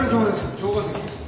城ヶ崎です。